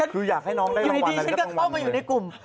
คืออยากให้น้องได้อยู่ดีฉันก็เข้ามาอยู่ในกลุ่ม